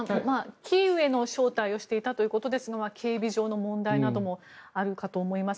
キーウへの招待をしていたということですが警備上の問題などもあるかと思います。